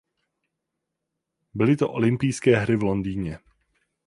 Byly to olympijské hry v Londýně.